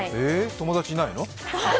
友達いないの？